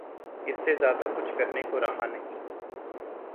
اس سے زیادہ کچھ کرنے کو رہا نہیں۔